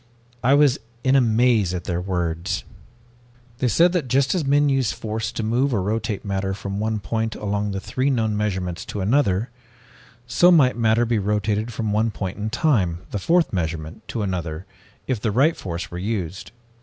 I was in a maze at their words. "They said that just as men use force to move or rotate matter from one point along the three known measurements to another, so might matter be rotated from one point in time, the fourth measurement, to another, if the right force were used.